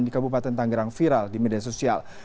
di kabupaten tanggerang viral di media sosial